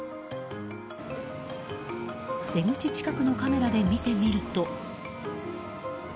出口近くのカメラで見てみると。